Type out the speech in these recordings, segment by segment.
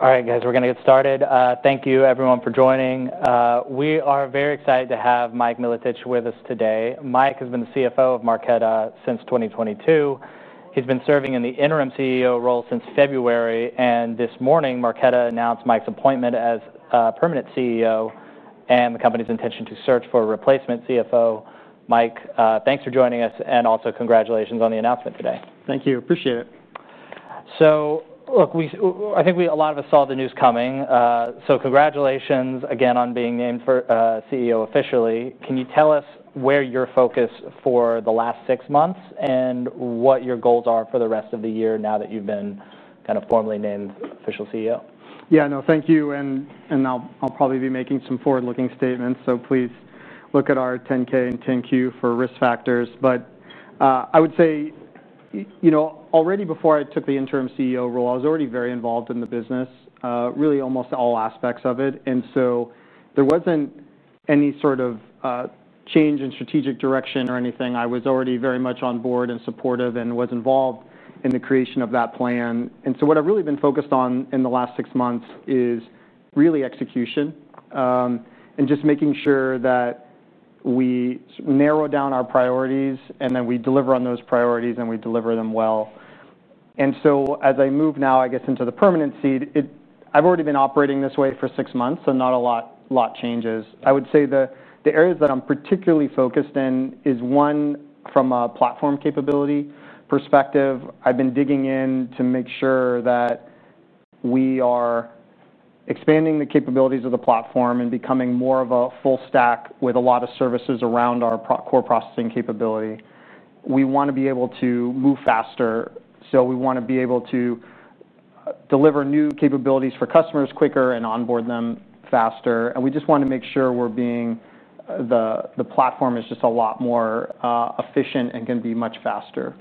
All right. All right, guys, we're going to get started. Thank you, everyone, for joining. We are very excited to have Mike Milotich with us today. Mike has been the CFO of Marqeta since 2022. He's been serving in the interim CEO role since February. This morning, Marqeta announced Mike's appointment as permanent CEO and the company's intention to search for a replacement CFO. Mike, thanks for joining us and also congratulations on the announcement today. Thank you. Appreciate it. I think a lot of us saw the news coming. Congratulations again on being named CEO officially. Can you tell us where your focus has been for the last six months and what your goals are for the rest of the year now that you've been formally named official CEO? Yeah, no, thank you. I'll probably be making some forward-looking statements. Please look at our 10K and 10Q for risk factors. I would say, you know, already before I took the interim CEO role, I was already very involved in the business, really almost all aspects of it. There wasn't any sort of change in strategic direction or anything. I was already very much on board and supportive and was involved in the creation of that plan. What I've really been focused on in the last six months is really execution and just making sure that we narrow down our priorities and then we deliver on those priorities and we deliver them well. As I move now, I guess, into the permanent seat, I've already been operating this way for six months, so not a lot of changes. I would say the areas that I'm particularly focused in are, one, from a platform capability perspective. I've been digging in to make sure that we are expanding the capabilities of the platform and becoming more of a full stack with a lot of services around our core processing capability. We want to be able to move faster. We want to be able to deliver new capabilities for customers quicker and onboard them faster. We just want to make sure the platform is just a lot more efficient and can be much faster.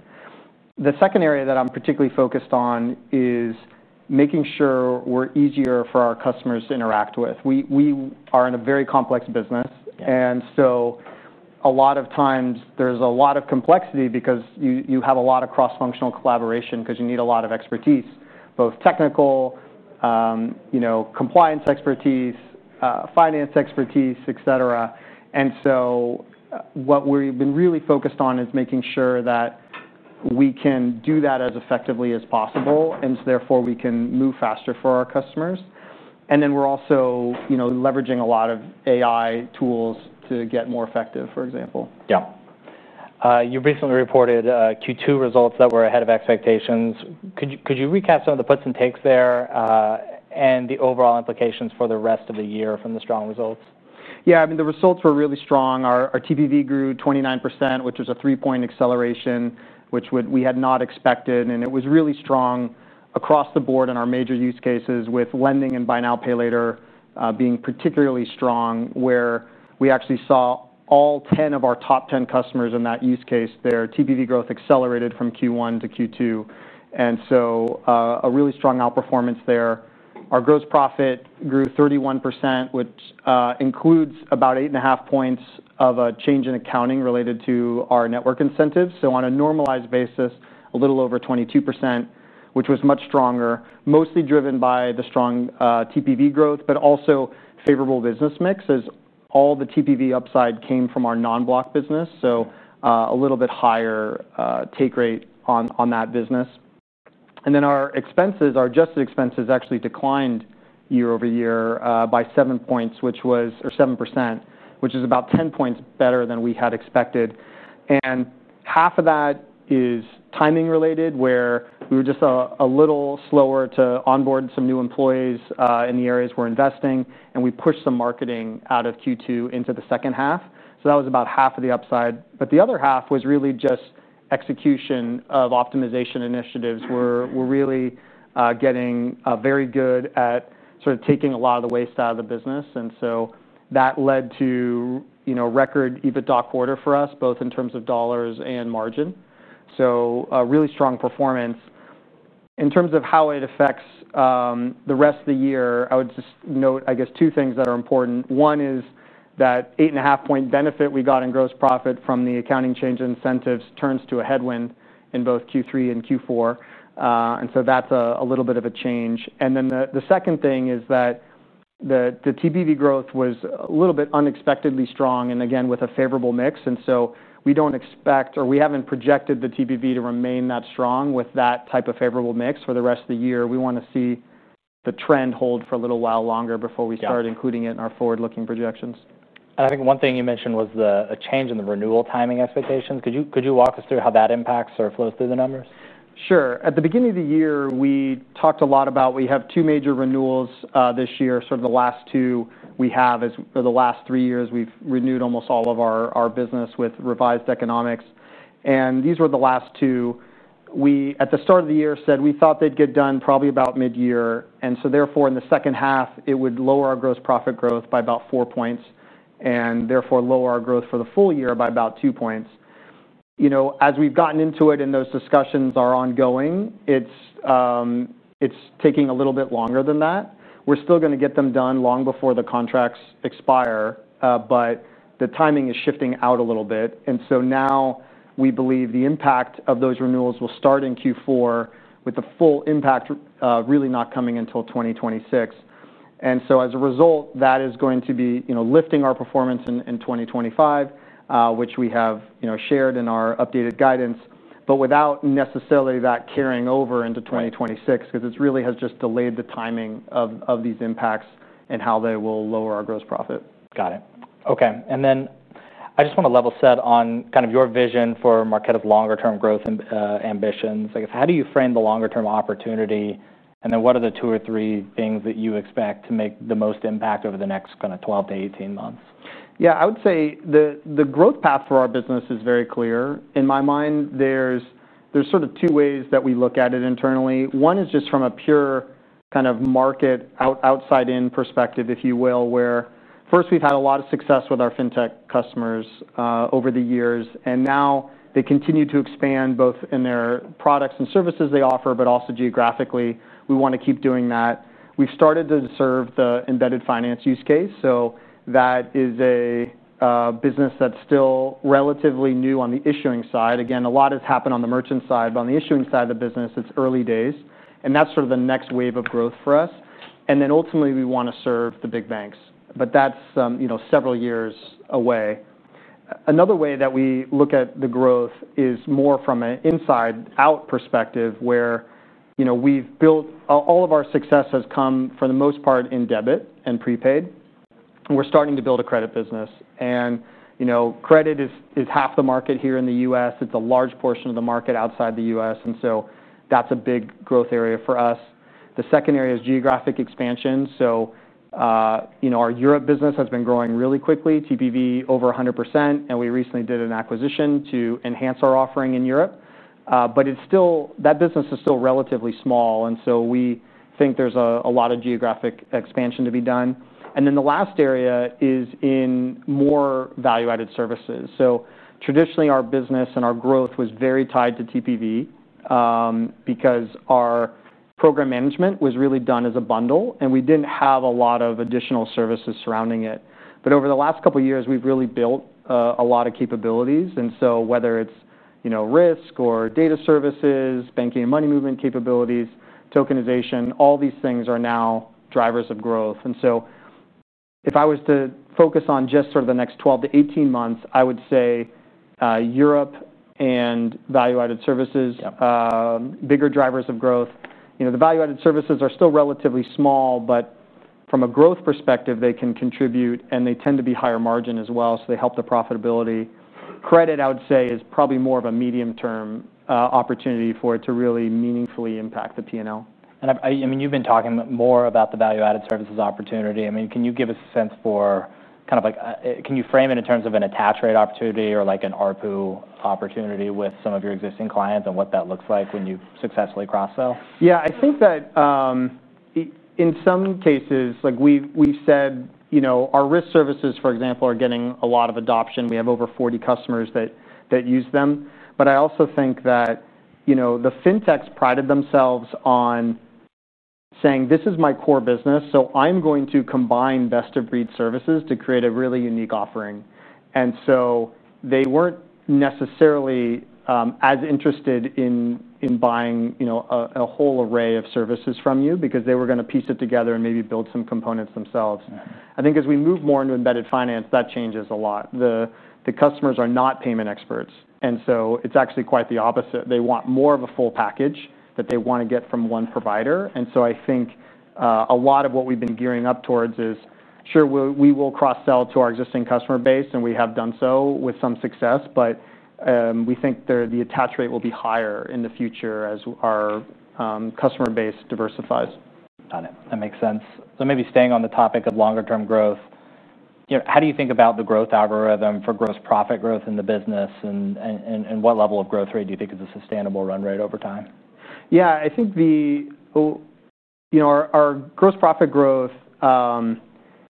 The second area that I'm particularly focused on is making sure we're easier for our customers to interact with. We are in a very complex business. A lot of times there's a lot of complexity because you have a lot of cross-functional collaboration because you need a lot of expertise, both technical, you know, compliance expertise, finance expertise, et cetera. What we've been really focused on is making sure that we can do that as effectively as possible. Therefore, we can move faster for our customers. We're also, you know, leveraging a lot of AI tools to get more effective, for example. Yeah, you recently reported Q2 results that were ahead of expectations. Could you recap some of the puts and takes there, and the overall implications for the rest of the year from the strong results? Yeah, I mean, the results were really strong. Our TPV grew 29%, which was a three-point acceleration, which we had not expected. It was really strong across the board in our major use cases with lending and Buy Now Pay Later (BNPL) being particularly strong, where we actually saw all 10 of our top 10 customers in that use case, their TPV growth accelerated from Q1 to Q2. A really strong outperformance there. Our gross profit grew 31%, which includes about 8.5 points of a change in accounting related to our network incentives. On a normalized basis, a little over 22%, which was much stronger, mostly driven by the strong TPV growth, but also favorable business mix as all the TPV upside came from our non-Block business, so a little bit higher take rate on that business. Our adjusted expenses actually declined year over year by 7%, which is about 10 points better than we had expected. Half of that is timing related, where we were just a little slower to onboard some new employees in the areas we're investing, and we pushed some marketing out of Q2 into the second half. That was about half of the upside. The other half was really just execution of optimization initiatives. We're really getting very good at sort of taking a lot of the waste out of the business, and that led to a record EBITDA quarter for us, both in terms of dollars and margin. Really strong performance. In terms of how it affects the rest of the year, I would just note, I guess, two things that are important. One is that 8.5 point benefit we got in gross profit from the accounting change incentives turns to a headwind in both Q3 and Q4, and that's a little bit of a change. The second thing is that the TPV growth was a little bit unexpectedly strong and again with a favorable mix. We don't expect or we haven't projected the TPV to remain that strong with that type of favorable mix for the rest of the year. We want to see the trend hold for a little while longer before we start including it in our forward-looking projections. I think one thing you mentioned was the change in the renewal timing expectations. Could you walk us through how that impacts or flows through the numbers? Sure. At the beginning of the year, we talked a lot about we have two major renewals this year. Sort of the last two we have is the last three years we've renewed almost all of our business with revised economics. These were the last two. We, at the start of the year, said we thought they'd get done probably about mid-year. Therefore, in the second half, it would lower our gross profit growth by about 4% and therefore lower our growth for the full year by about 2%. As we've gotten into it and those discussions are ongoing, it's taking a little bit longer than that. We're still going to get them done long before the contracts expire. The timing is shifting out a little bit. Now we believe the impact of those renewals will start in Q4 with the full impact really not coming until 2026. As a result, that is going to be lifting our performance in 2025, which we have shared in our updated guidance, but without necessarily that carrying over into 2026, because it really has just delayed the timing of these impacts and how they will lower our gross profit. Got it. Okay. I just want to level set on kind of your vision for Marqeta's longer-term growth and ambitions. I guess, how do you frame the longer-term opportunity? What are the two or three things that you expect to make the most impact over the next kind of 12 to 18 months? Yeah, I would say the growth path for our business is very clear. In my mind, there's sort of two ways that we look at it internally. One is just from a pure kind of market outside-in perspective, if you will, where first we've had a lot of success with our fintech customers over the years. They continue to expand both in their products and services they offer, but also geographically. We want to keep doing that. We've started to serve the embedded finance use case. That is a business that's still relatively new on the issuing side. A lot has happened on the merchant side, but on the issuing side of the business, it's early days. That's sort of the next wave of growth for us. Ultimately, we want to serve the big banks. That's several years away. Another way that we look at the growth is more from an inside-out perspective where we've built all of our success has come for the most part in debit and prepaid. We're starting to build a credit business. Credit is half the market here in the U.S. It's a large portion of the market outside the U.S., and that's a big growth area for us. The second area is geographic expansion. Our Europe business has been growing really quickly, TPV over 100%. We recently did an acquisition to enhance our offering in Europe. That business is still relatively small. We think there's a lot of geographic expansion to be done. The last area is in more value-added services. Traditionally, our business and our growth was very tied to TPV because our program management was really done as a bundle. We didn't have a lot of additional services surrounding it. Over the last couple of years, we've really built a lot of capabilities. Whether it's risk or data services, banking and money movement capabilities, tokenization, all these things are now drivers of growth. If I was to focus on just sort of the next 12 to 18 months, I would say Europe and value-added services, bigger drivers of growth. The value-added services are still relatively small, but from a growth perspective, they can contribute and they tend to be higher margin as well. They help the profitability. Credit, I would say, is probably more of a medium-term opportunity for it to really meaningfully impact the P&L. You've been talking more about the value-added services opportunity. Can you give us a sense for, can you frame it in terms of an attach rate opportunity or like an ARPU opportunity with some of your existing clients and what that looks like when you successfully cross-sell? Yeah, I think that in some cases, like we've said, our risk services, for example, are getting a lot of adoption. We have over 40 customers that use them. I also think that the fintechs prided themselves on saying, "This is my core business. So, I'm going to combine best-of-breed services to create a really unique offering." They weren't necessarily as interested in buying a whole array of services from you because they were going to piece it together and maybe build some components themselves. I think as we move more into embedded finance, that changes a lot. The customers are not payment experts. It's actually quite the opposite. They want more of a full package that they want to get from one provider. I think a lot of what we've been gearing up towards is, sure, we will cross-sell to our existing customer base, and we have done so with some success. We think the attach rate will be higher in the future as our customer base diversifies. Got it. That makes sense. Maybe staying on the topic of longer-term growth, you know, how do you think about the growth algorithm for gross profit growth in the business, and what level of growth rate do you think is a sustainable run rate over time? I think our gross profit growth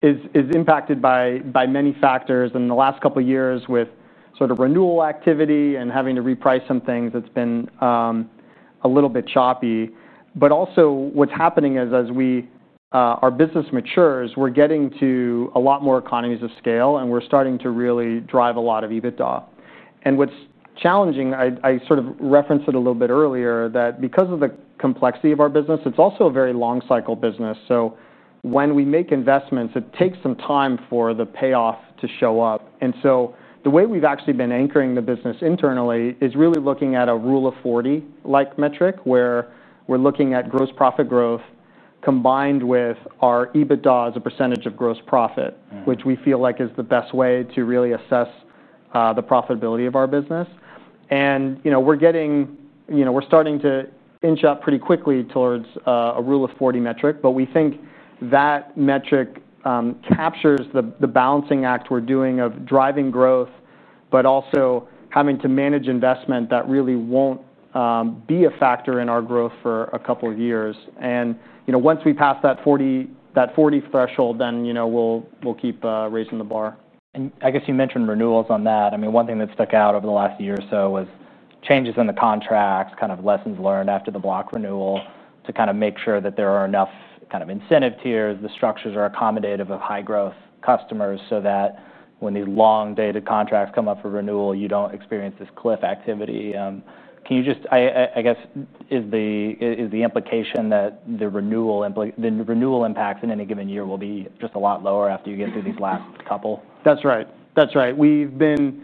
is impacted by many factors. The last couple of years with renewal activity and having to reprice some things, it's been a little bit choppy. Also, what's happening is as our business matures, we're getting to a lot more economies of scale and we're starting to really drive a lot of EBITDA. What's challenging, I referenced it a little bit earlier, is that because of the complexity of our business, it's also a very long-cycle business. When we make investments, it takes some time for the payoff to show up. The way we've actually been anchoring the business internally is really looking at a rule of 40-like metric where we're looking at gross profit growth combined with our EBITDA as a percentage of gross profit, which we feel like is the best way to really assess the profitability of our business. We're starting to inch up pretty quickly towards a rule of 40 metric. We think that metric captures the balancing act we're doing of driving growth, but also having to manage investment that really won't be a factor in our growth for a couple of years. Once we pass that 40% threshold, we'll keep raising the bar. You mentioned renewals on that. One thing that stuck out over the last year or so was changes in the contracts, kind of lessons learned after the Block renewal to make sure that there are enough incentive tiers, the structures are accommodative of high-growth customers so that when these long-dated contracts come up for renewal, you don't experience this cliff activity. Is the implication that the renewal impacts in any given year will be just a lot lower after you get through these last couple? That's right. We've been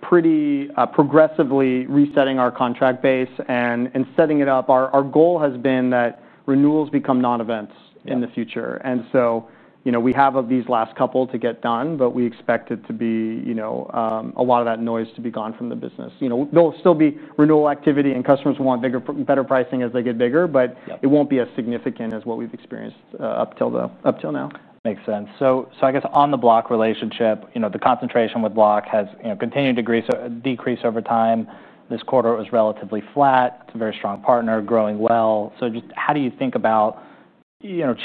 pretty progressively resetting our contract base and setting it up. Our goal has been that renewals become non-events in the future. We have these last couple to get done, but we expect a lot of that noise to be gone from the business. There'll still be renewal activity and customers want better pricing as they get bigger, but it won't be as significant as what we've experienced up till now. Makes sense. I guess on the Block relationship, the concentration with Block has continued to decrease over time. This quarter was relatively flat. It's a very strong partner, growing well. Just how do you think about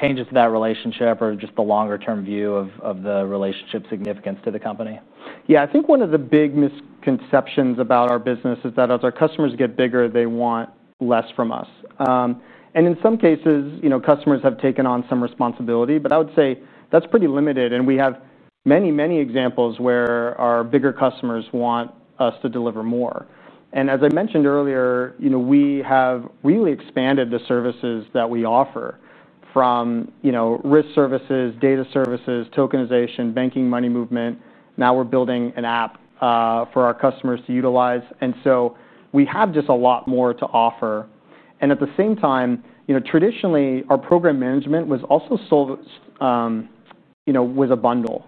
changes to that relationship or the longer-term view of the relationship's significance to the company? Yeah, I think one of the big misconceptions about our business is that as our customers get bigger, they want less from us. In some cases, customers have taken on some responsibility, but I would say that's pretty limited. We have many, many examples where our bigger customers want us to deliver more. As I mentioned earlier, we have really expanded the services that we offer from risk services, data services, tokenization, banking, money movement. Now we're building an app for our customers to utilize. We have just a lot more to offer. At the same time, traditionally, our program management was also sold as a bundle.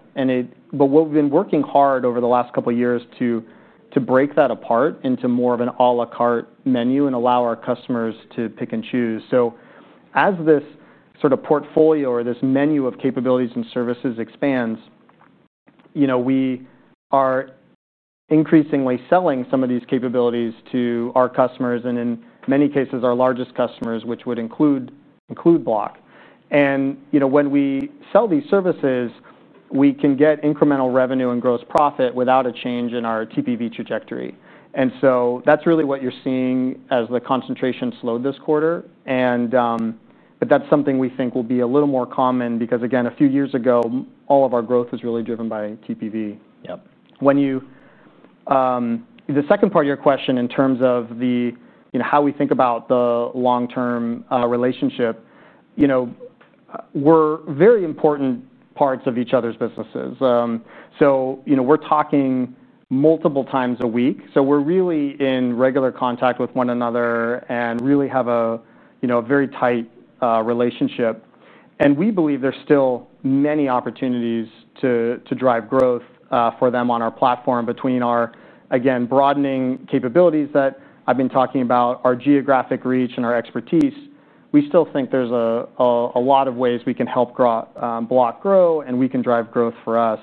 What we've been working hard over the last couple of years to do is break that apart into more of an a la carte menu and allow our customers to pick and choose. As this sort of portfolio or this menu of capabilities and services expands, we are increasingly selling some of these capabilities to our customers and in many cases, our largest customers, which would include Block. When we sell these services, we can get incremental revenue and gross profit without a change in our TPV trajectory. That's really what you're seeing as the concentration slowed this quarter. That's something we think will be a little more common because, again, a few years ago, all of our growth was really driven by TPV. Yep. The second part of your question in terms of how we think about the long-term relationship, we're very important parts of each other's businesses. We're talking multiple times a week. We're really in regular contact with one another and really have a very tight relationship. We believe there's still many opportunities to drive growth for them on our platform between our broadening capabilities that I've been talking about, our geographic reach, and our expertise. We still think there's a lot of ways we can help Block grow and we can drive growth for us.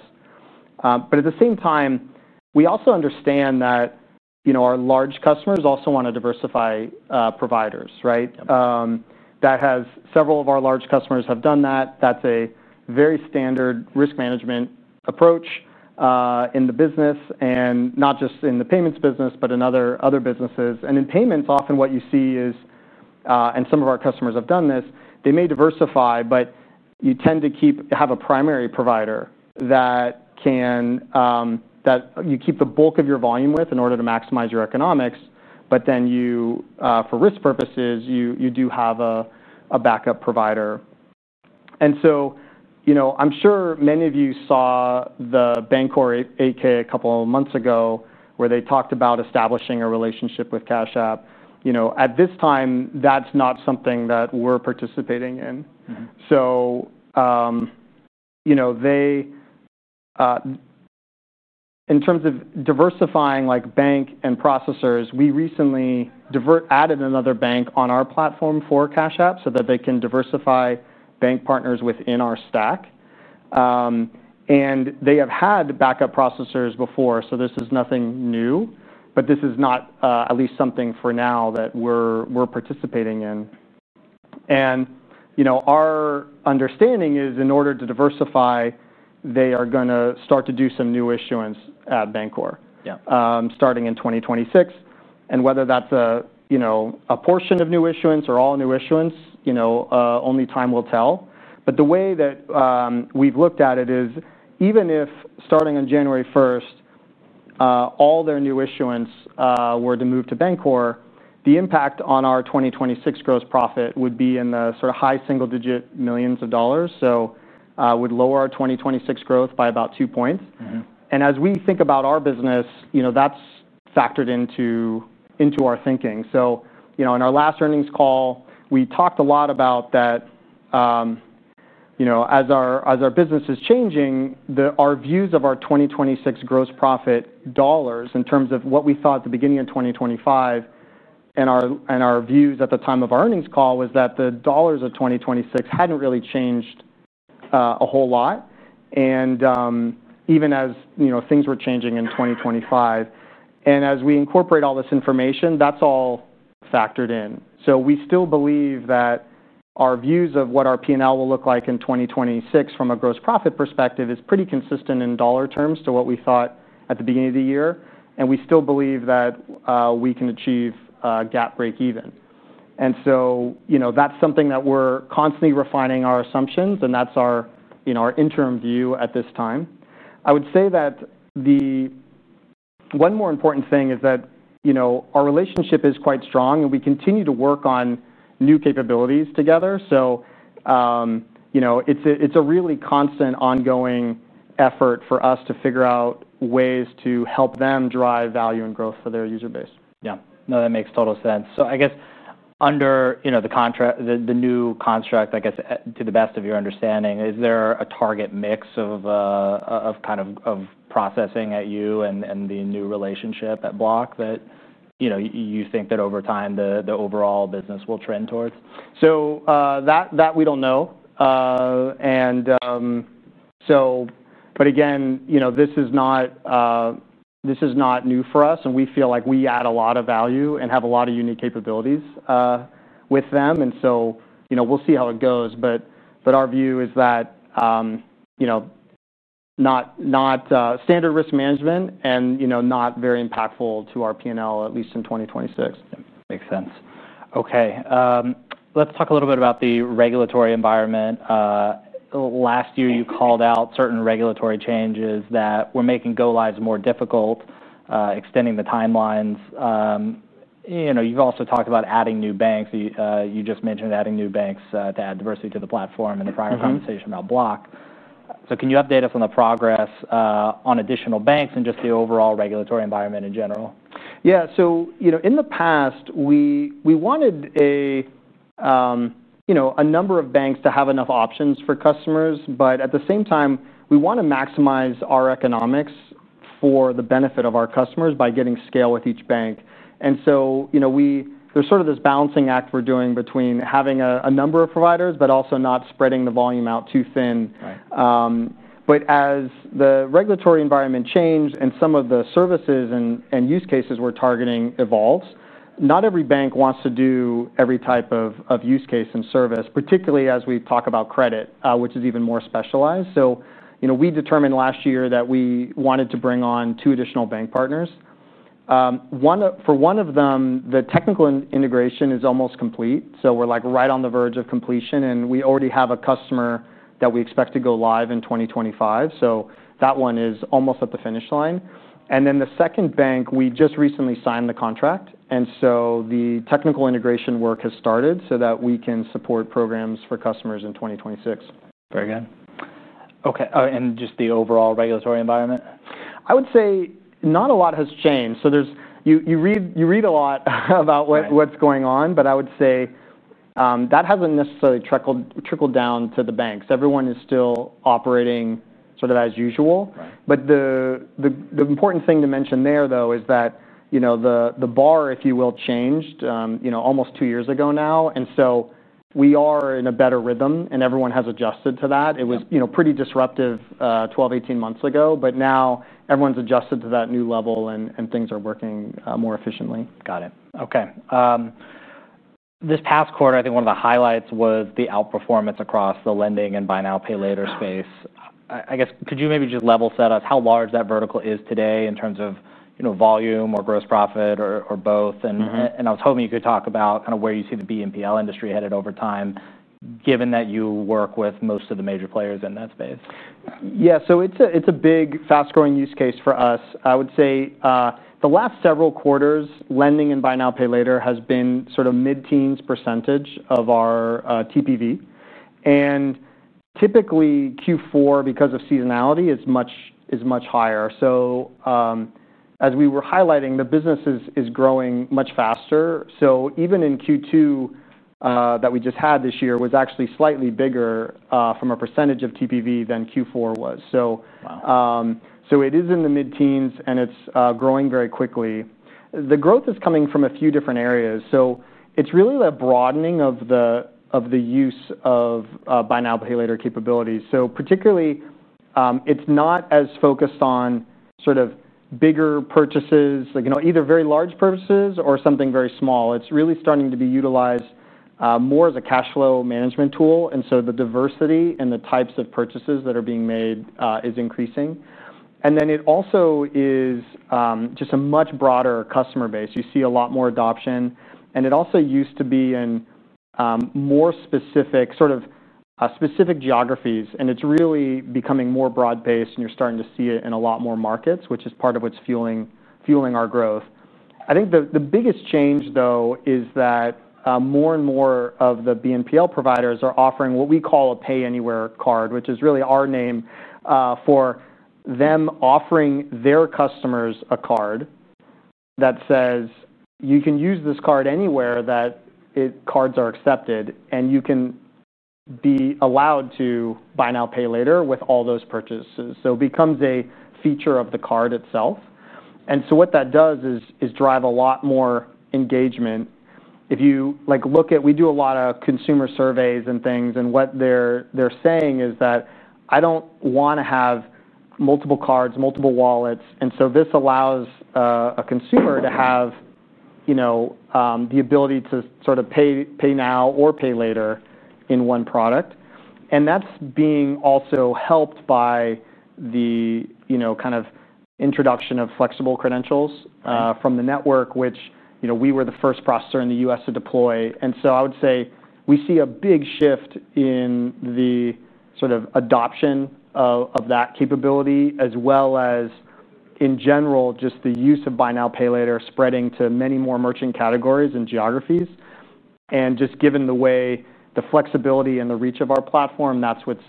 At the same time, we also understand that our large customers also want to diversify providers. Several of our large customers have done that. That's a very standard risk management approach in the business, and not just in the payments business, but in other businesses. In payments, often what you see is, and some of our customers have done this, they may diversify, but you tend to have a primary provider that you keep the bulk of your volume with in order to maximize your economics. For risk purposes, you do have a backup provider. I'm sure many of you saw the Bancorp 8-K a couple of months ago where they talked about establishing a relationship with Cash App. At this time, that's not something that we're participating in. In terms of diversifying like bank and processors, we recently added another bank on our platform for Cash App so that they can diversify bank partners within our stack. They have had backup processors before. This is nothing new, but this is not at least something for now that we're participating in. Our understanding is in order to diversify, they are going to start to do some new issuance at Bancorp, starting in 2026. Whether that's a portion of new issuance or all new issuance, only time will tell. The way that we've looked at it is even if starting on January 1, all their new issuance were to move to Bancorp, the impact on our 2026 gross profit would be in the sort of high single-digit millions of dollars. It would lower our 2026 growth by about 2%. As we think about our business, that's factored into our thinking. In our last earnings call, we talked a lot about that, as our business is changing, our views of our 2026 gross profit dollars in terms of what we thought at the beginning of 2025 and our views at the time of our earnings call was that the dollars of 2026 hadn't really changed a whole lot. Even as things were changing in 2025, and as we incorporate all this information, that's all factored in. We still believe that our views of what our P&L will look like in 2026 from a gross profit perspective is pretty consistent in dollar terms to what we thought at the beginning of the year. We still believe that we can achieve GAAP break even. That's something that we're constantly refining our assumptions. That's our interim view at this time. I would say that the one more important thing is that our relationship is quite strong and we continue to work on new capabilities together. It's a really constant ongoing effort for us to figure out ways to help them drive value and growth for their user base. Yeah, no, that makes total sense. I guess under the contract, the new construct, to the best of your understanding, is there a target mix of kind of processing at you and the new relationship at Block that you think that over time the overall business will trend towards? We don't know. This is not new for us, and we feel like we add a lot of value and have a lot of unique capabilities with them. We'll see how it goes. Our view is that not standard risk management and not very impactful to our P&L, at least in 2026. Makes sense. Okay. Let's talk a little bit about the regulatory environment. Last year, you called out certain regulatory changes that were making go-lives more difficult, extending the timelines. You've also talked about adding new banks. You just mentioned adding new banks to add diversity to the platform and the prior conversation about Block. Can you update us on the progress on additional banks and just the overall regulatory environment in general? Yeah. In the past, we wanted a number of banks to have enough options for customers. At the same time, we want to maximize our economics for the benefit of our customers by getting scale with each bank. There is sort of this balancing act we're doing between having a number of providers, but also not spreading the volume out too thin. As the regulatory environment changed and some of the services and use cases we're targeting evolved, not every bank wants to do every type of use case and service, particularly as we talk about credit, which is even more specialized. We determined last year that we wanted to bring on two additional bank partners. For one of them, the technical integration is almost complete. We're right on the verge of completion, and we already have a customer that we expect to go live in 2025. That one is almost at the finish line. The second bank, we just recently signed the contract, and the technical integration work has started so that we can support programs for customers in 2026. Very good. Okay, just the overall regulatory environment? I would say not a lot has changed. You read a lot about what's going on, but I would say that hasn't necessarily trickled down to the banks. Everyone is still operating sort of as usual. The important thing to mention there, though, is that the bar, if you will, changed almost two years ago now. We are in a better rhythm and everyone has adjusted to that. It was pretty disruptive 12, 18 months ago, but now everyone's adjusted to that new level and things are working more efficiently. Got it. Okay. This past quarter, I think one of the highlights was the outperformance across the lending and Buy Now Pay Later space. I guess, could you maybe just level set us how large that vertical is today in terms of, you know, volume or gross profit or both? I was hoping you could talk about kind of where you see the BNPL industry headed over time, given that you work with most of the major players in that space. Yeah. It's a big, fast-growing use case for us. I would say the last several quarters, lending and Buy Now Pay Later (BNPL) has been sort of mid-teens % of our TPV. Typically, Q4, because of seasonality, is much higher. As we were highlighting, the business is growing much faster. Even in Q2 that we just had this year, it was actually slightly bigger from a % of TPV than Q4 was. It is in the mid-teens and it's growing very quickly. The growth is coming from a few different areas. It's really the broadening of the use of Buy Now Pay Later capabilities. Particularly, it's not as focused on sort of bigger purchases, like either very large purchases or something very small. It's really starting to be utilized more as a cash flow management tool. The diversity and the types of purchases that are being made is increasing. It also is just a much broader customer base. You see a lot more adoption. It also used to be in more specific geographies. It's really becoming more broad-based and you're starting to see it in a lot more markets, which is part of what's fueling our growth. I think the biggest change, though, is that more and more of the BNPL providers are offering what we call a pay anywhere card, which is really our name for them offering their customers a card that says you can use this card anywhere that cards are accepted and you can be allowed to Buy Now Pay Later with all those purchases. It becomes a feature of the card itself. What that does is drive a lot more engagement. If you look at, we do a lot of consumer surveys and things, and what they're saying is that I don't want to have multiple cards, multiple wallets. This allows a consumer to have the ability to sort of pay now or pay later in one product. That's being also helped by the introduction of flexible credentials from the network, which we were the first processor in the U.S. to deploy. I would say we see a big shift in the sort of adoption of that capability, as well as in general, just the use of Buy Now Pay Later spreading to many more merchant categories and geographies. Given the way the flexibility and the reach of our platform, that's what's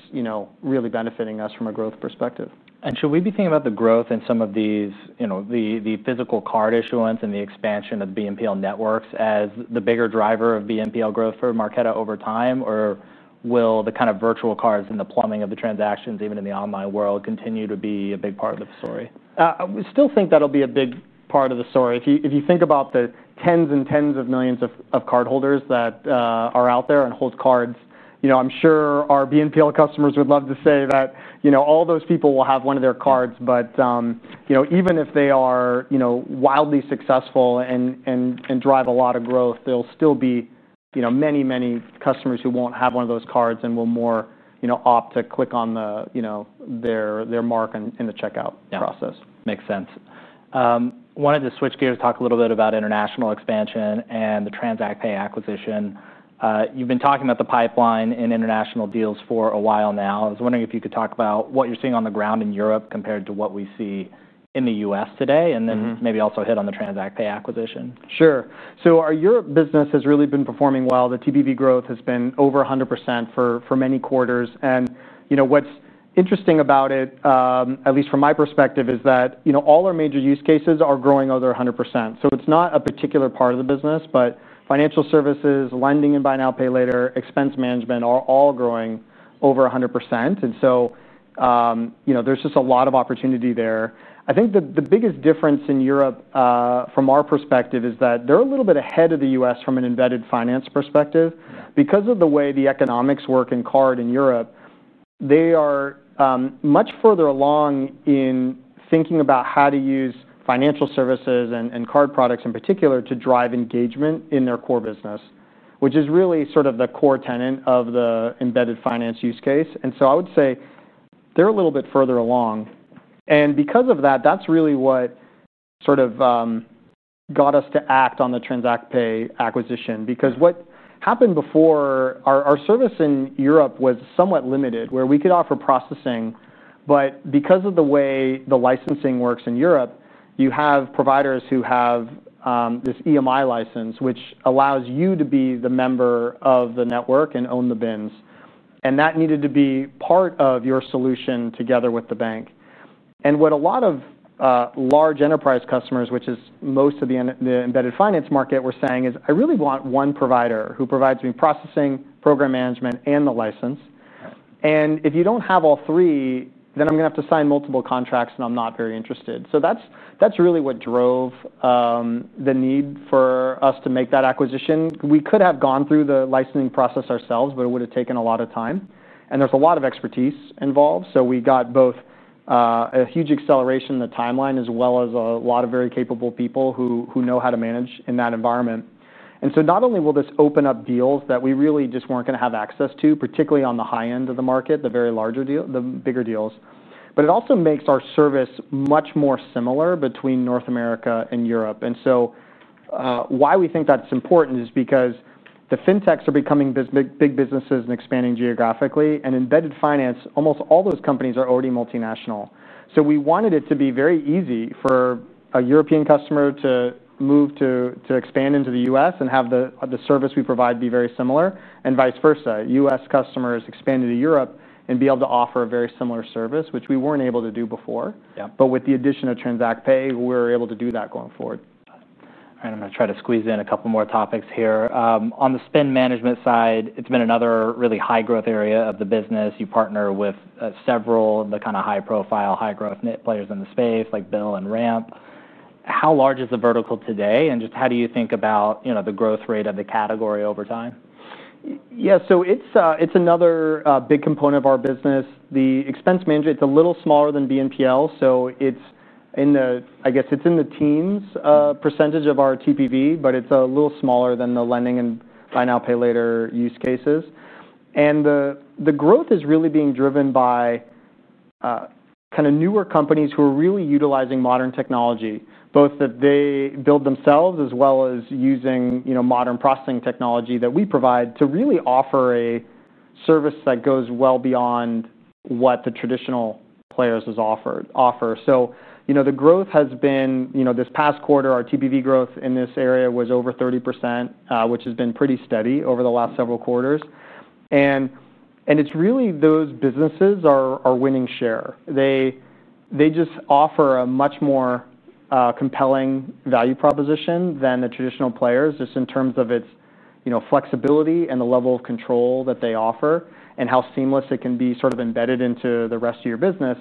really benefiting us from a growth perspective. Should we be thinking about the growth in some of these, you know, the physical card issuance and the expansion of the Buy Now Pay Later (BNPL) networks as the bigger driver of BNPL growth for Marqeta over time, or will the kind of virtual cards and the plumbing of the transactions, even in the online world, continue to be a big part of the story? I still think that'll be a big part of the story. If you think about the tens and tens of millions of card holders that are out there and hold cards, I'm sure our Buy Now Pay Later (BNPL) customers would love to say that all those people will have one of their cards. Even if they are wildly successful and drive a lot of growth, there'll still be many, many customers who won't have one of those cards and will more opt to click on their mark in the checkout process. Makes sense. I wanted to switch gears and talk a little bit about international expansion and the TransactPay acquisition. You've been talking about the pipeline in international deals for a while now. I was wondering if you could talk about what you're seeing on the ground in Europe compared to what we see in the U.S. today, and then maybe also hit on the TransactPay acquisition. Sure. Our Europe business has really been performing well. The TPV growth has been over 100% for many quarters. What's interesting about it, at least from my perspective, is that all our major use cases are growing over 100%. It's not a particular part of the business, but financial services, lending, Buy Now Pay Later (BNPL), expense management are all growing over 100%. There's just a lot of opportunity there. I think the biggest difference in Europe from our perspective is that they're a little bit ahead of the U.S. from an embedded finance perspective. Because of the way the economics work in card in Europe, they are much further along in thinking about how to use financial services and card products in particular to drive engagement in their core business, which is really sort of the core tenet of the embedded finance use case. I would say they're a little bit further along. Because of that, that's really what got us to act on the TransactPay acquisition. What happened before, our service in Europe was somewhat limited where we could offer processing. Because of the way the licensing works in Europe, you have providers who have this EMI license, which allows you to be the member of the network and own the bins. That needed to be part of your solution together with the bank. What a lot of large enterprise customers, which is most of the embedded finance market, were saying is, I really want one provider who provides me processing, program management, and the license. If you don't have all three, then I'm going to have to sign multiple contracts and I'm not very interested. That's really what drove the need for us to make that acquisition. We could have gone through the licensing process ourselves, but it would have taken a lot of time. There's a lot of expertise involved. We got both a huge acceleration in the timeline as well as a lot of very capable people who know how to manage in that environment. Not only will this open up deals that we really just weren't going to have access to, particularly on the high end of the market, the very larger deals, the bigger deals, but it also makes our service much more similar between North America and Europe. Why we think that's important is because the fintechs are becoming big businesses and expanding geographically. Embedded finance, almost all those companies are already multinational. We wanted it to be very easy for a European customer to move to expand into the U.S. and have the service we provide be very similar, and vice versa. U.S. customers expanded to Europe and are able to offer a very similar service, which we weren't able to do before. With the addition of TransactPay, we're able to do that going forward. All right. I'm going to try to squeeze in a couple more topics here. On the spend management side, it's been another really high-growth area of the business. You partner with several of the kind of high-profile, high-growth players in the space, like Bill and Ramp. How large is the vertical today? Just how do you think about the growth rate of the category over time? Yeah. It's another big component of our business. The expense management, it's a little smaller than Buy Now Pay Later (BNPL). It's in the, I guess it's in the teens % of our TPV, but it's a little smaller than the lending and Buy Now Pay Later use cases. The growth is really being driven by newer companies who are really utilizing modern technology, both that they build themselves as well as using modern processing technology that we provide to really offer a service that goes well beyond what the traditional players offer. The growth has been, this past quarter, our TPV growth in this area was over 30%, which has been pretty steady over the last several quarters. It's really those businesses are winning share. They just offer a much more compelling value proposition than the traditional players, just in terms of its flexibility and the level of control that they offer and how seamless it can be sort of embedded into the rest of your business.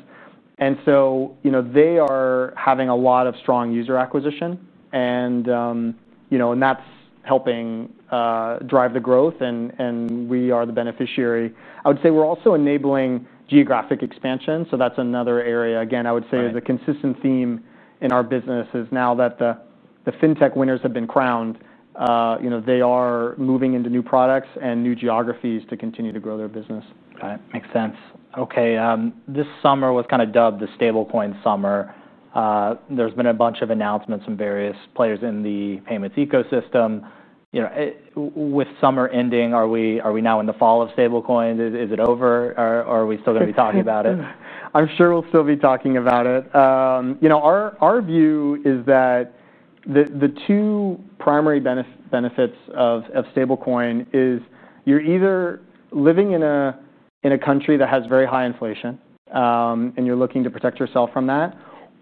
They are having a lot of strong user acquisition, and that's helping drive the growth. We are the beneficiary. I would say we're also enabling geographic expansion. That's another area. Again, I would say the consistent theme in our business is now that the fintech winners have been crowned, they are moving into new products and new geographies to continue to grow their business. Got it. Makes sense. Okay. This summer was kind of dubbed the Stablecoin Summer. There's been a bunch of announcements from various players in the payments ecosystem. You know, with summer ending, are we now in the fall of Stablecoin? Is it over? Are we still going to be talking about it? I'm sure we'll still be talking about it. Our view is that the two primary benefits of stablecoin are you're either living in a country that has very high inflation and you're looking to protect yourself from that,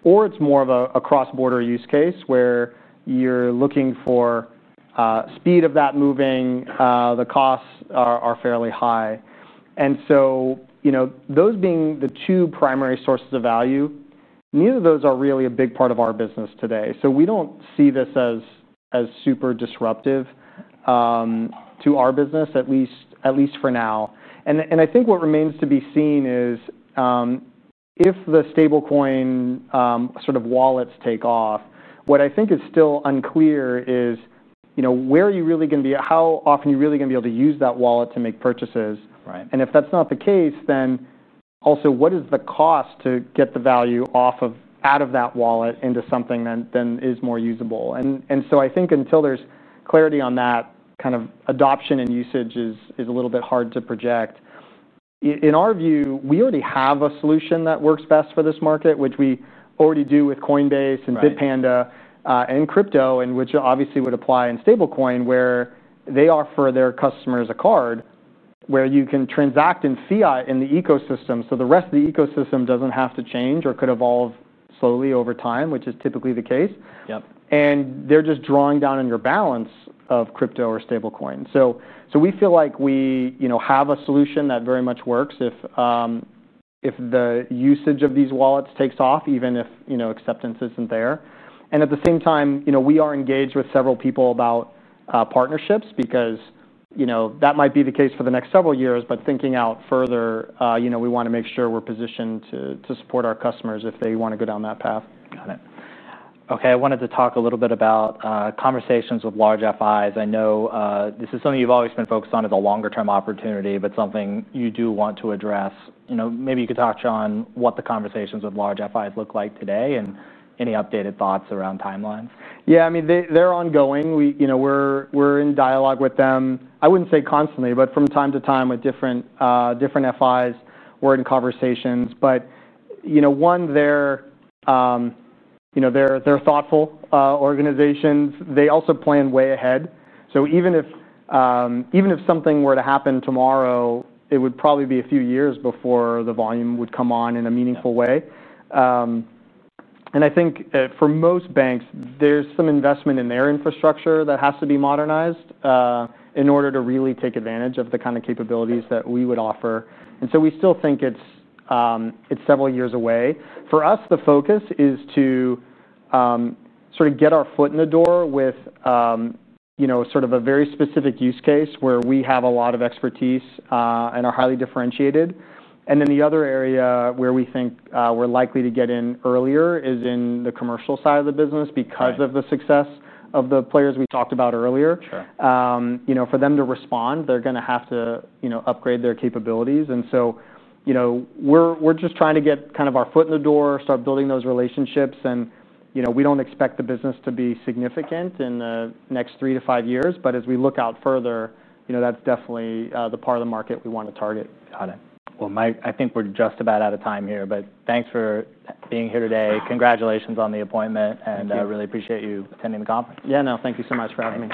or it's more of a cross-border use case where you're looking for speed of that moving, the costs are fairly high. Those being the two primary sources of value, neither of those are really a big part of our business today. We don't see this as super disruptive to our business, at least for now. I think what remains to be seen is if the stablecoin sort of wallets take off. What I think is still unclear is, where are you really going to be, how often are you really going to be able to use that wallet to make purchases? If that's not the case, then also what is the cost to get the value out of that wallet into something that then is more usable? I think until there's clarity on that kind of adoption and usage, it is a little bit hard to project. In our view, we already have a solution that works best for this market, which we already do with Coinbase and Bitpanda and crypto, and which obviously would apply in stablecoin where they offer their customers a card where you can transact in fiat in the ecosystem. The rest of the ecosystem doesn't have to change or could evolve slowly over time, which is typically the case. Yep. They're just drawing down on your balance of crypto or stablecoin. We feel like we have a solution that very much works if the usage of these wallets takes off, even if acceptance isn't there. At the same time, we are engaged with several people about partnerships because that might be the case for the next several years, but thinking out further, we want to make sure we're positioned to support our customers if they want to go down that path. Got it. Okay. I wanted to talk a little bit about conversations with large FIs. I know this is something you've always been focused on as a longer-term opportunity, but something you do want to address. Maybe you could talk to John what the conversations with large FIs look like today and any updated thoughts around timelines. Yeah, I mean, they're ongoing. We're in dialogue with them. I wouldn't say constantly, but from time to time with different FIs, we're in conversations. They're thoughtful organizations. They also plan way ahead. Even if something were to happen tomorrow, it would probably be a few years before the volume would come on in a meaningful way. I think for most banks, there's some investment in their infrastructure that has to be modernized in order to really take advantage of the kind of capabilities that we would offer. We still think it's several years away. For us, the focus is to sort of get our foot in the door with a very specific use case where we have a lot of expertise and are highly differentiated. The other area where we think we're likely to get in earlier is in the commercial side of the business because of the success of the players we talked about earlier. For them to respond, they're going to have to upgrade their capabilities. We're just trying to get kind of our foot in the door, start building those relationships. We don't expect the business to be significant in the next three to five years. As we look out further, that's definitely the part of the market we want to target. Got it. Mike, I think we're just about out of time here, but thanks for being here today. Congratulations on the appointment. Thank you. I really appreciate you attending the conference. Yeah, no, thank you so much for having me.